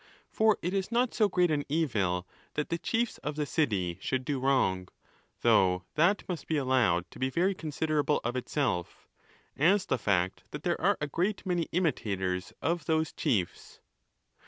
For it is not so great an evil that the chiefs of the city should do wrong, though that must be allowed to be very considerable of itself, as the fact that there are a great many imitators of those chiefs.